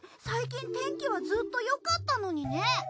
最近天気はずっとよかったのにね。